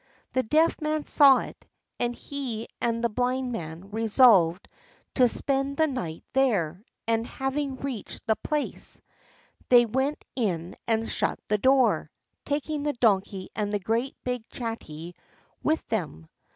The Deaf Man saw it, and he and the Blind Man resolved to spend the night there; and having reached the place, they went in and shut the door, taking the Donkey and the great big chattee with them.